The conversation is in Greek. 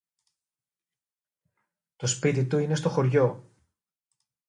Το σπίτι του είναι στο χωριό.